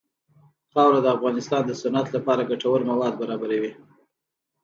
خاوره د افغانستان د صنعت لپاره ګټور مواد برابروي.